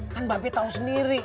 kan mbak be tau sendiri